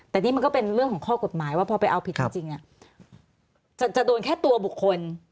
แต่นี่มันก็เป็นเรื่องของข้อกฎหมายว่าพอไปเอาผิดจริงจะโดนแค่ตัวบุคคล